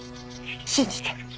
信じて。